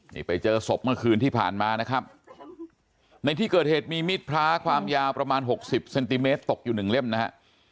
นี่ไปเจอศพเมื่อคืนที่ผ่านมานะครับในที่เกิดเหตุมีมิดพระความยาวประมาณหกสิบเซนติเมตรตกอยู่หนึ่งเล่มนะฮะ